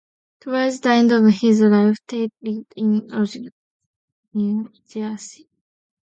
Towards the end of his life, Tate lived in Longport, New Jersey.